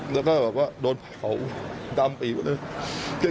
แล้วก็แบบว่าโดนเผาดำไปหมดเลย